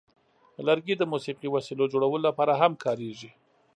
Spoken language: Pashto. لرګي د موسیقي وسیلو جوړولو لپاره هم کارېږي.